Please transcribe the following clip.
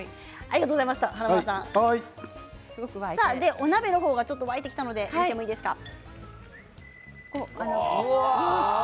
お鍋が沸いてきたので見てもいいですか？